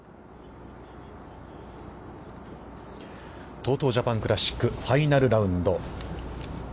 ＴＯＴＯジャパンクラシックファイナルラウンド。